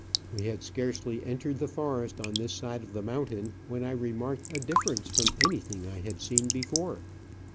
We had scarcely entered the forest on this side of the mountain when I remarked a difference from anything I had seen before.